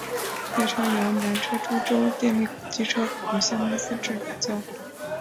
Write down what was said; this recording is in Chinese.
列车由南车株洲电力机车有限公司制造。